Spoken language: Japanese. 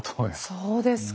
そうですか。